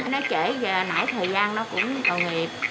nó trễ nãy thời gian nó cũng tội nghiệp